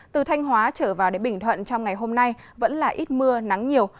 từ thanh hóa trở vào đến bình thuận trong ngày hôm nay vẫn là ít mưa nắng nhiều